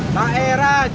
pak era jogja